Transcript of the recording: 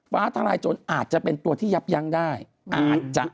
ฟ้าทลายจนอาจจะเป็นตัวที่ยับยั้งได้อาจจะ